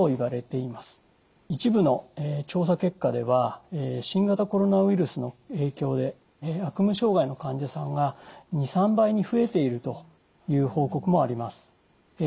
一部の調査結果では新型コロナウイルスの影響で悪夢障害の患者さんが２３倍に増えているという報告もあります。